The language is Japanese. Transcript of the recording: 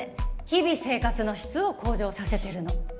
日々生活の質を向上させてるの